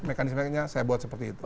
mekanisme nya saya buat seperti itu